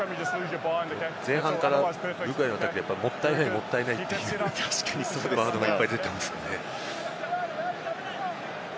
前半からウルグアイはもったいない、もったいないっていうワードがいっぱい出ていますよね。